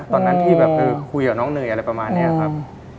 ตอนนั้นที่แบบคือคุยกับน้องเนยอะไรประมาณนี้ครับ